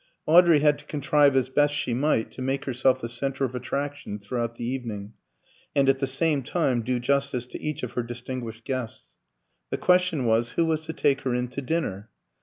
Audrey had to contrive as best she might to make herself the centre of attraction throughout the evening, and at the same time do justice to each of her distinguished guests. The question was, Who was to take her in to dinner?